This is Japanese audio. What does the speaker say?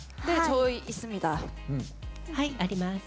はい、あります。